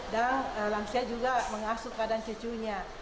dan langsia juga mengasuh keadaan cicunya